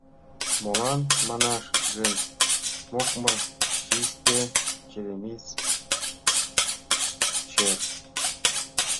Молан манаш гын, мокмыр — чисте черемис чер.